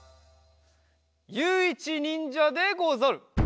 ゆういちにんじゃでござる。